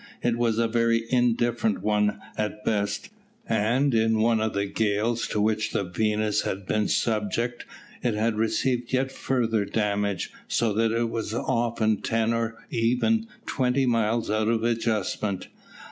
It was a very indifferent one at best, and in one of the gales to which the Venus had been subject, it had received yet further damage, so that it was often ten or even twenty miles out of adjustment.